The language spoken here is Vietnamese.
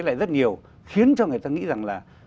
lại rất nhiều khiến cho người ta nghĩ rằng là